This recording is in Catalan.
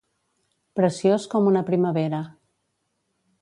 Preciós com una primavera.